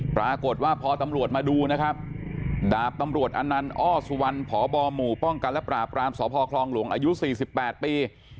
ปรากฏว่าพอตำรวจมาดูนะครับดาบตำรวจอนันต์อ้อสุวรรณพบหมู่ป้องกันและปราบรามสพคลองหลวงอายุ๔๘ปี